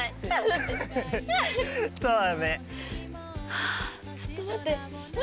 ハァちょっと待って。